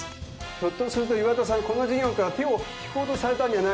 ひょっとすると岩田さんこの事業から手を引こうとされたんじゃないでしょうか。